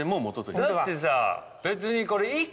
だってさ別にこれ。